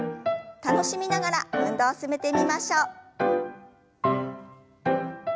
楽しみながら運動を進めてみましょう。